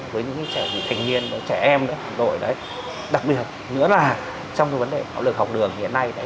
với những trẻ em đặc biệt nữa là trong vấn đề bảo lực học đường hiện nay